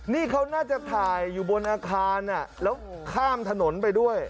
นี่เขาน่าจะถ่ายอยู่บนอาคารแล้วข้ามถนนไปด้วย